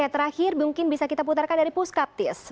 terakhir mungkin bisa kita putarkan dari puskaptis